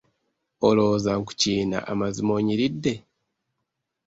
Olowooza nkukiina amazima onyiridde?